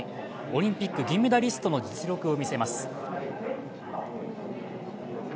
オリンピック銀メダリストの実力を見せます。